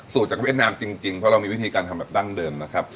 จากเวียดนามจริงเพราะเรามีวิธีการทำแบบดั้งเดิมนะครับ